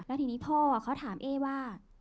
แล้วทีนี้พ่อเขาถามเอ๊ว่า